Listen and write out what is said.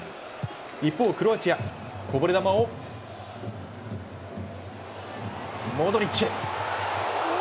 一方、クロアチア、こぼれ球をモドリッチ。